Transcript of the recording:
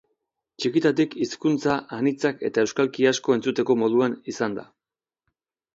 Txikitatik hizkuntza anitzak eta euskalki asko entzuteko moduan izan da.